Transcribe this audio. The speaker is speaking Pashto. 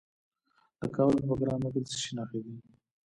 د کابل په بګرامي کې د څه شي نښې دي؟